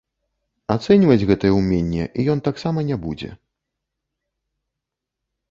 Ацэньваць гэтае ўменне ён таксама не будзе.